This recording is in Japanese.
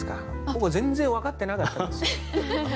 僕全然分かってなかったです。